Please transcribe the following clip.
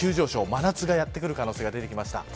真夏がやってくる可能性が出てきました。